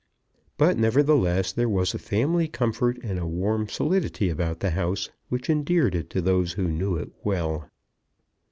But, nevertheless, there was a family comfort and a warm solidity about the house, which endeared it to those who knew it well.